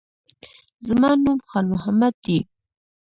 زما نوم خان محمد دی